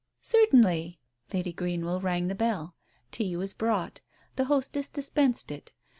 "Certainly!" Lady Greenwell rang the bell. Tea was brought. The hostess dispensed it.